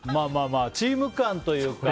まあ、チーム感というか。